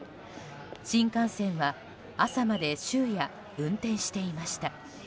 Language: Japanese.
新幹線は朝まで終夜運転していました。